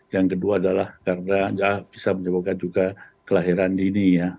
yang kedua adalah karena bisa menyebabkan juga kelahiran dini ya